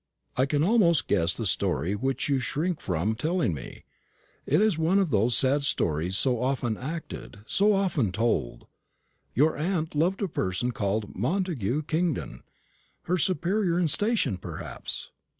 I can almost guess the story which you shrink from telling me it is one of those sad histories so often acted, so often told. Your aunt loved a person called Montagu Kingdon her superior in station, perhaps?"